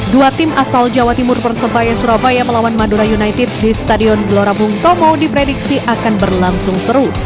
dua tim asal jawa timur persebaya surabaya melawan madura united di stadion gelora bung tomo diprediksi akan berlangsung seru